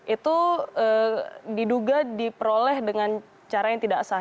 itu diduga diperoleh dengan cara yang tidak sah